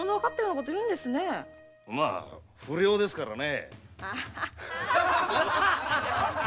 まあ不良ですからね。